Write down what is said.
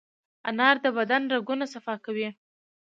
انار د بدن رګونه صفا کوي.